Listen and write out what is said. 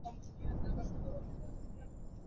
তিনি বসন্তরোগে আক্রান্ত হয়ে মৃত্যুবরণ করেন।